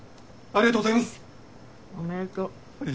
ありがとうございます。